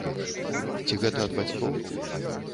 Ці гэта ад бацькоў?